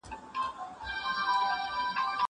زه بايد کښېناستل وکړم!!